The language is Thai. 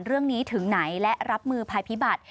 เรื่องนี้ถึงไหนและรับมือภายพิบัติ